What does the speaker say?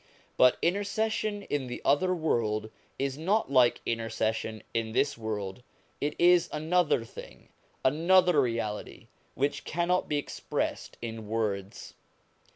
But intercession in the other world is not like intercession in this world : it is another thing, another reality, which cannot be ex pressed in words.